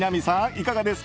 いかがです？